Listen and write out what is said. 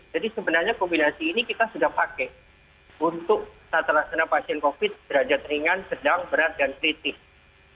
jadi sebenarnya kombinasi ini kita sudah pakai untuk tata laksana pasien covid sembilan belas derajat ringan sedang berat dan kritis